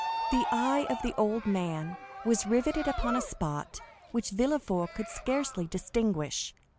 The eye of the old man was riveted upon a spot which Villefort could scarcely distinguish.